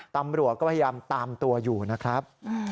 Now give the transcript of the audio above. ตำรวจก็พยายามตามตัวอยู่นะครับ